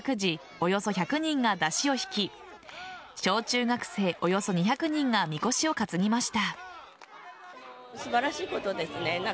およそ１００人が山車をひき小中学生およそ２００人がみこしを担ぎました。